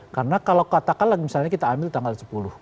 karena kalau katakanlah misalnya kita ambil tanggal sepuluh